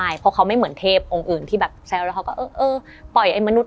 อย่าเอาไม่เป็นที่เข้าหู